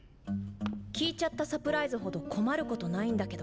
⁉聞いちゃったサプライズほど困ることないんだけど。